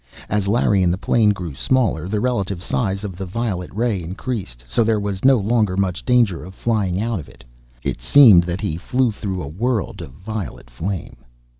As Larry and the plane grew smaller, the relative size of the violet ray increased, so there was no longer much danger of flying out of it. It seemed that he flew through a world of violet flame.